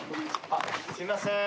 あっすいません。